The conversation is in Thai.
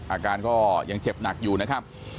อาการก็ยังเจ็บหนักอยู่นะครับ